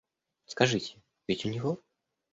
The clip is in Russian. Скажите, ведь у него?